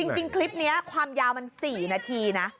จริงคลิปนี้ความยาวมัน๔นาทีนะ